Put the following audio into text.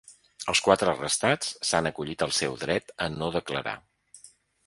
Els quatre arrestats s’han acollit al seu dret a no declarar.